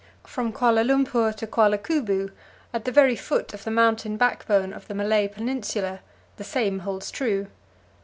From Kuala Lumpur to Kuala Kubu at the very foot of the mountain backbone of the Malay Peninsula, the same holds true.